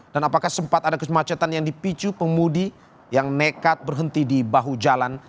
dan apakah sempat ada kesemacetan yang dipicu pemudi yang nekat berhenti di bahu jalan